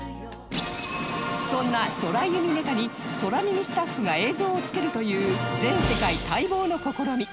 そんな空ユミネタに空耳スタッフが映像をつけるという全世界待望の試み